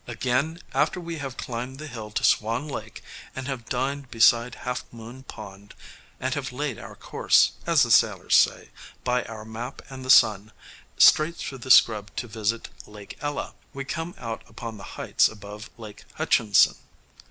Again, after we have climbed the hill to Swan Lake, and have dined beside Half moon Pond, and have "laid our course," as the sailors say, by our map and the sun, straight through the Scrub to visit Lake Ella, we come out upon the heights above Lake Hutchinson.